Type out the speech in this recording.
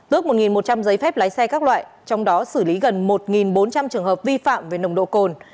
tước một một trăm linh giấy phép lái xe các loại trong đó xử lý gần một bốn trăm linh trường hợp vi phạm về nồng độ cồn